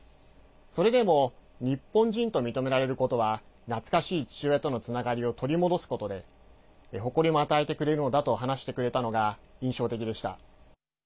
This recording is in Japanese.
それでも日本人と認められることは懐かしい父親とのつながりを取り戻すことで誇りも与えてくれるのだと話してくれたのが印象的でした。